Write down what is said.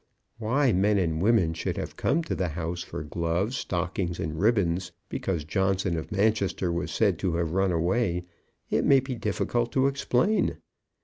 Why men and women should have come to the house for gloves, stockings, and ribbons, because Johnson of Manchester was said to have run away, it may be difficult to explain.